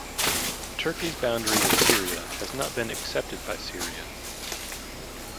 Turkey's boundary with Syria has not been accepted by Syria.